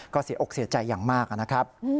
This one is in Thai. ก็เสียอกเสียใจอย่างมาก